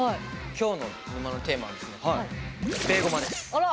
今日の沼のテーマはですねあら！